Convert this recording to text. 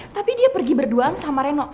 tapi dia pergi berduaan sama reno